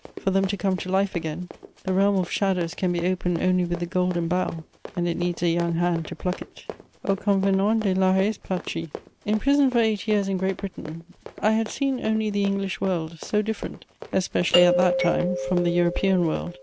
for them to come to life again: the realm of shadows can be opened only with the golden bough, and it needs a young hand to pluck it. Aucuns venants des Lares patries. [Sidenote: Aspect of France in 1800.] Imprisoned for eight years in Great Britain, I had seen only the English world, so different, especially at that time, from the European world.